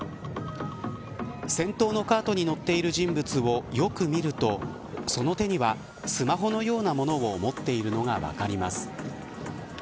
先頭のカートに乗っている人物をよく見るとその手には、スマホのような物を持っているのが分かります。